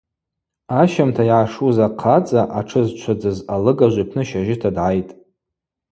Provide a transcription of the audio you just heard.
Ащымта йгӏашуз ахъацӏа, атшы зчвыдзыз, алыгажв йпны щажьыта дгӏайтӏ.